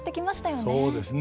そうですね。